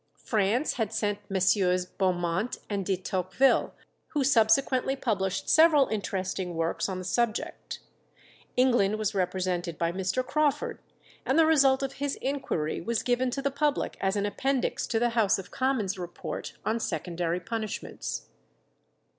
France had sent MM. Beaumont and De Tocqueville, who subsequently published several interesting works on the subject. England was represented by Mr. Crawford, and the result of his inquiry was given to the public as an appendix to the House of Commons' 'Report on Secondary Punishments.'